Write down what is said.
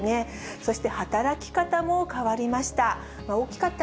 そして、働き方も変わりました。